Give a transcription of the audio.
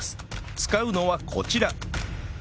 使うのはこちら